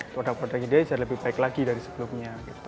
produk produk ini bisa lebih baik lagi dari sebelumnya